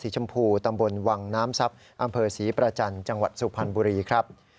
จังหวัดสุพรรณบุรีครับ